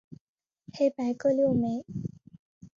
黑白各六枚。